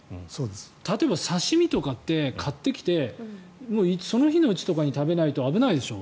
例えば、刺し身とかって買ってきてその日のうちとかに食べないと危ないでしょ。